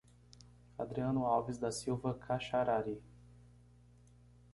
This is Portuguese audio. Adriano Alves da Silva Kaxarari